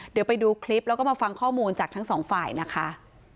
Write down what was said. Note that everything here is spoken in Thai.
เดี๋ยวไปดูคลิปแล้วก็มาฟังข้อมูลจากทั้งสองฝ่ายนะคะ